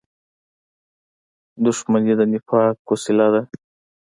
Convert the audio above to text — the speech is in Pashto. • دښمني د نفاق وسیله ده.